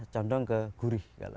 condong ke gurih